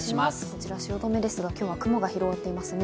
こちら汐留ですが、今日は雲が広がっていますね。